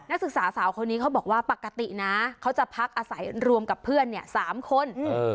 นักศึกษาสาวคนนี้เขาบอกว่าปกตินะเขาจะพักอาศัยรวมกับเพื่อนเนี่ย๓คน